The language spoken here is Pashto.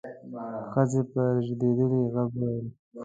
ښځې په رېږدېدلي غږ وويل: